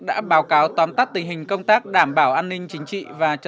đã báo cáo tóm tắt tình hình công tác